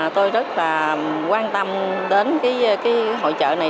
tôi rất quan tâm đến hội trợ này